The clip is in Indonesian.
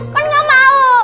kan nggak mau